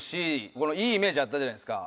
このいいイメージあったじゃないですか。